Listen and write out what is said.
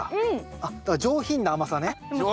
あっだから上品な甘さね。